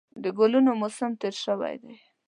د ګلونو موسم تېر شوی وي